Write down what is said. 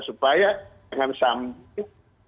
supaya dengan sambil